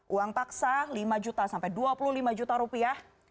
uang paksa lima juta sampai dua puluh lima juta rupiah